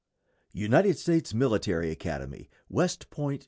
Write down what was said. ] UNITED STATES MILITARY ACADEMY, WEST POINT, N.